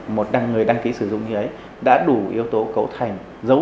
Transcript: một người đăng ký sử dụng gì ấy đã đủ yếu tố cấu thành